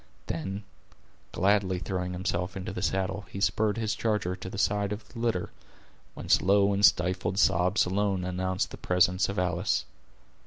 Then, gladly throwing himself into the saddle, he spurred his charger to the side of the litter, whence low and stifled sobs alone announced the presence of Alice.